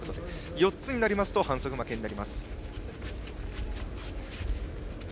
４つになると反則負けになります。